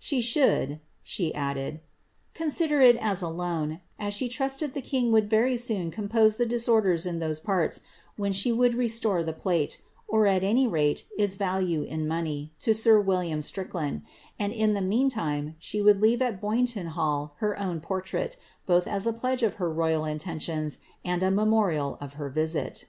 She should," she added, ^ consider it as a loan ; as she trusted the king would very soon compose the disorders in those parts, when she would restore the plate, or, at any rate, its value in money, to sir William Strickland ; and, in the mean time, she would leave at Boynton Hall her own portrait, both as a pledge of her royal intentions, and a memorial of her visit."